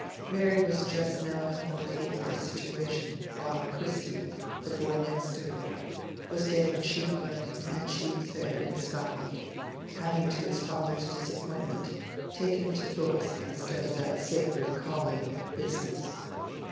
Mary was just now at home waiting for a situation, while Christy, the boy next to her, was getting cheap learning and cheap fare in Scotland, having to his father's disappointment taken to books instead of that sacred calling "business."